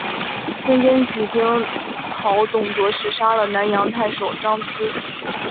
孙坚举兵讨董卓时杀了南阳太守张咨。